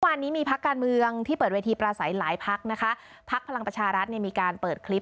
วันนี้มีพักการเมืองที่เปิดเวทีปราศัยหลายพักนะคะพักพลังประชารัฐเนี่ยมีการเปิดคลิป